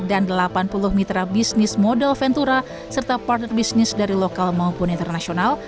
dan delapan puluh mitra bisnis modal ventura serta partner bisnis dari lokal maupun internasional